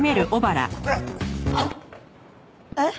えっ？